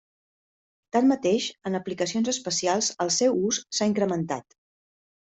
Tanmateix en aplicacions especials el seu ús s'ha incrementat.